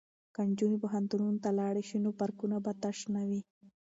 که نجونې پوهنتون ته لاړې شي نو پارکونه به تش نه وي.